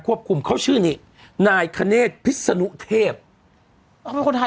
ควบคุมเขาชื่อนี้นายคเนธพิษนุเทพอ๋อเป็นคนไทย